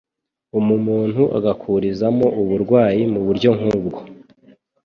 umumuntu agakurizamo uburwayi mu buryo nk ubwo